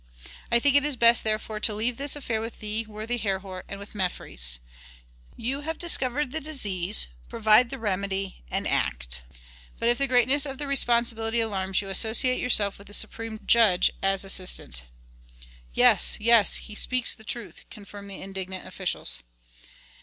I think it is best therefore to leave this affair with thee, worthy Herhor, and with Mefres. Ye have discovered the disease, provide the remedy and act. But if the greatness of responsibility alarms you, associate with yourselves the supreme judge as assistant." "Yes! yes! he speaks truth," confirmed the indignant officials.